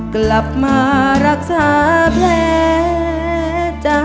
กลับมารักษาแพร่ใจ